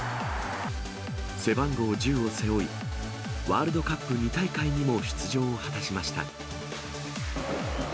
背番号１０を背負い、ワールドカップ２大会にも出場を果たしました。